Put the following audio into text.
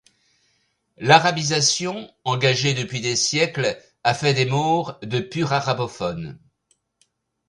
L'arabisation engagée depuis des siècles a fait des Maures de purs arabophones.